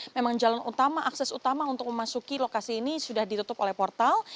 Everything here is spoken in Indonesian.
memang jalan utama akses utama untuk memasuki lokasi ini sudah ditutup oleh portal